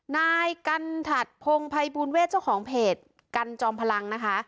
นายกันถัดพงภัยบูลเวทเจ้าของเพจกันจอมพลังนะคะ